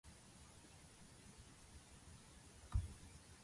It is generally considered his masterpiece.